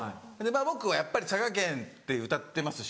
僕はやっぱり佐賀県って歌ってますし。